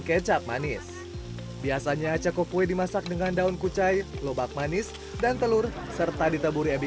kecap manis biasanya caku kue dimasak dengan daun kucai lobak manis dan telur serta ditaburi abi